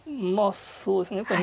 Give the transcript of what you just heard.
まあそうですね。